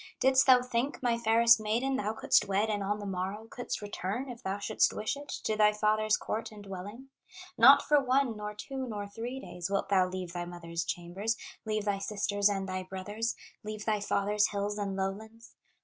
"Didst thou think, my fairest maiden, Thou couldst wed and on the morrow Couldst return, if thou shouldst wish it, To thy father's court and dwelling? Not for one, nor two, nor three days, Wilt thou leave thy mother's chambers, Leave thy sisters and thy brothers, Leave thy father's hills and lowlands.